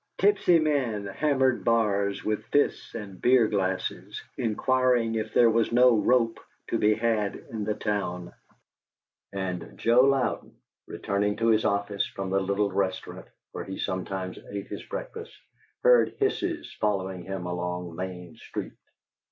Tipsy men hammered bars with fists and beer glasses, inquiring if there was no rope to be had in the town; and Joe Louden, returning to his office from the little restaurant where he sometimes ate his breakfast, heard hisses following him along Main Street.